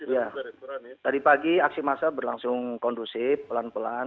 ya tadi pagi aksi massa berlangsung kondusif pelan pelan